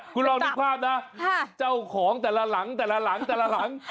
คุณลองนึกภาพนะเจ้าของแต่ละหลัง